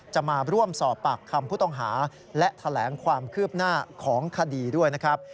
จะมาร่วมสอบปากคำผู้ต้องหาและแถลงความคืบหน้าของคดีด้วยนะครับ